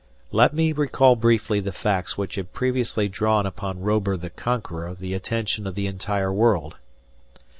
Let me recall briefly the facts which had previously drawn upon Robur the Conqueror the attention of the entire world.